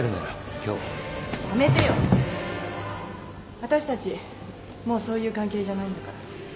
わたしたちもうそういう関係じゃないんだから。